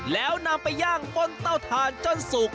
แล้วนำไปย่างป้นเต้าทานจนสุก